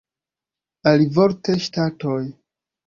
Alivorte ŝtatoj.